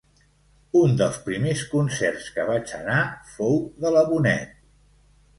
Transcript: Un dels primers concerts que vaig anar fou de la Bonet